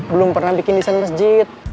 belum pernah bikin desain masjid